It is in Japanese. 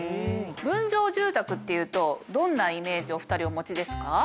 分譲住宅っていうとどんなイメージをお２人お持ちですか？